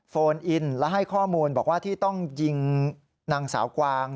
โอนอินและให้ข้อมูลบอกว่าที่ต้องยิงนางสาวกวาง